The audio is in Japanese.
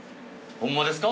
ホンマですか？